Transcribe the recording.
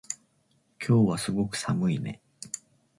今日はすごく寒いね